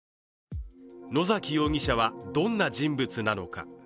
野崎容疑者はどんな人物なのか。